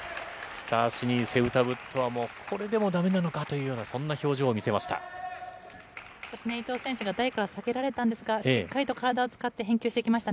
スタシニ・セウタブットは、これでもだめなのかというような、そんな表情を見せました。